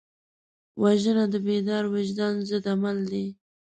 وژنه د بیدار وجدان ضد عمل دی